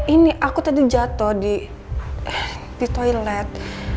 ini aku tadi jatuh di toilet